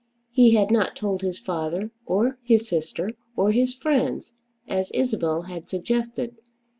He had not told his father, or his sister, or his friends, as Isabel had suggested.